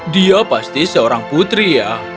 dia pasti seorang putri ya